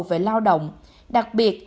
về lao động đặc biệt